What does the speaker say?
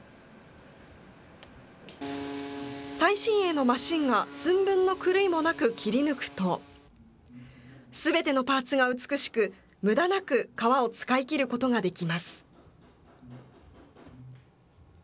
最新鋭のマシンが寸分の狂いもなく切り抜くと、すべてのパーツが美しく、むだなく革を使い切ることができます。